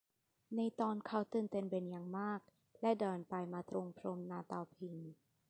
ในตอนนี้เขาตื่นเต้นเป็นอย่างมาก และเดินไปมาตรงพรมหน้าเตาผิง